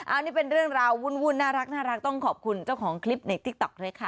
อันนี้เป็นเรื่องราววุ่นน่ารักต้องขอบคุณเจ้าของคลิปในติ๊กต๊อกเล็กค่ะ